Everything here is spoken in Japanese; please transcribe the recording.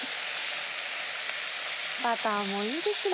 バターもいいですね。